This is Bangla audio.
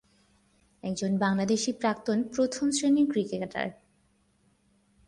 একজন বাংলাদেশী প্রাক্তন প্রথম শ্রেণির ক্রিকেটার।